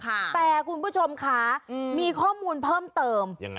แต่คุณผู้ชมค่ะมีข้อมูลเพิ่มเติมยังไง